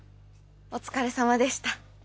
お疲れさまでした。